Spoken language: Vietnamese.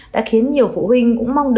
đã khiến nhiều phụ huynh cũng mong chờ